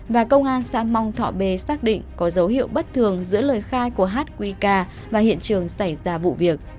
và công an xã mong thọ b xác định có dấu hiệu bất thường giữa lời khai của hát quy ca và hiện trường xảy ra vụ việc